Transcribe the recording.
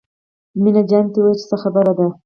مينه جانې ته ووايه چې څه خبره ده.